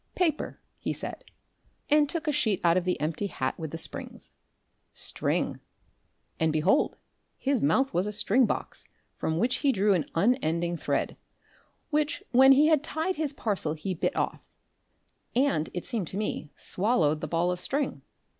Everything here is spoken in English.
"Paper," he said, and took a sheet out of the empty hat with the springs; "string," and behold his mouth was a string box, from which he drew an unending thread, which when he had tied his parcel he bit off and, it seemed to me, swallowed the ball of string.